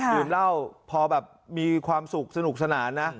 ดื่มเหล้าพอแบบมีความสุขสนุกสนานนะ